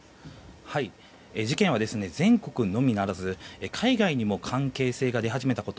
事件は全国のみならず海外にも関係性が出始めたこと。